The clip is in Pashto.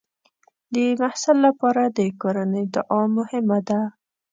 د محصل لپاره د کورنۍ دعا مهمه ده.